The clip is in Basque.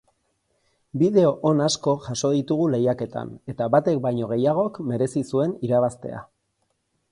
Bideo on asko jaso ditugu lehiaketan eta batek baino gehiagok merezi zuen irabaztea.